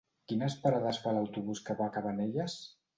Quines parades fa l'autobús que va a Cabanelles?